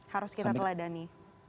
harus kita teladani